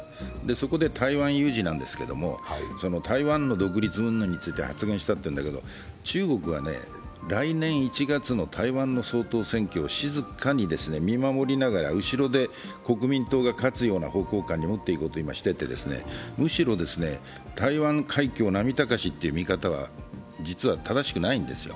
そこで台湾有事なんですけど、台湾の独立うんぬんについて発言したというんだけど、中国は来年１月の台湾の総統選挙を静かに見守りながら、後ろで国民党が勝つような方向に持っていこうと今していて、むしろ、台湾海峡波高しという見方は正しくないんですよ。